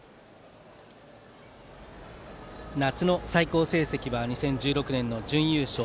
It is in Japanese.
夏の最高成績は２０１６年の準優勝。